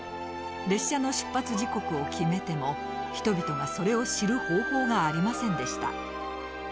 列車の出発時刻を決めても人々はそれを知る方法がありませんでした。